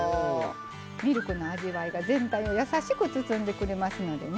ミルクの味わいが全体を優しく包んでくれますのでね。